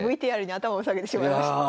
ＶＴＲに頭を下げてしまいました。